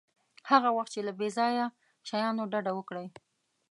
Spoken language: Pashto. هغه وخت چې له بې ځایه شیانو ډډه وکړئ.